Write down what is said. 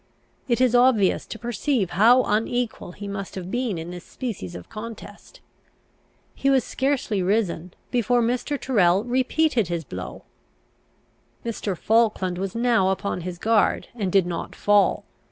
It is obvious to perceive how unequal he must have been in this species of contest. He was scarcely risen before Mr. Tyrrel repeated his blow. Mr. Falkland was now upon his guard, and did not fall.